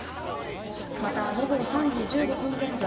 また、午後３時１５分現在